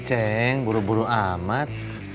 ceng buru buru amat